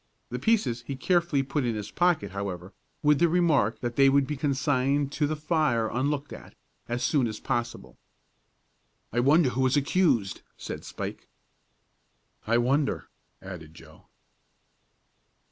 The pieces he carefully put in his pocket, however, with the remark that they would be consigned to the fire unlooked at, as soon as possible. "I wonder who was accused?" said Spike. "I wonder?" added Joe.